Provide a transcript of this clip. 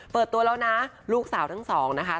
เปิดตัวแล้วนะลูกสาวทั้งสองนะคะ